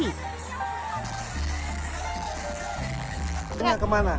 ini kemana rutenya kemana